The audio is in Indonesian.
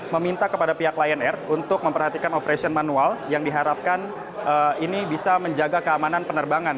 meminta kepada pihak lion air untuk memperhatikan operation manual yang diharapkan ini bisa menjaga keamanan penerbangan